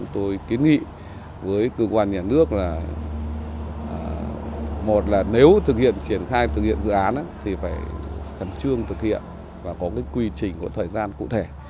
tôi kiến nghị với cơ quan nhà nước là một là nếu thực hiện triển khai thực hiện dự án thì phải khẩn trương thực hiện và có cái quy trình có thời gian cụ thể